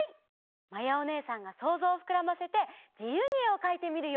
まやおねえさんがそうぞうをふくらませてじゆうにえをかいてみるよ。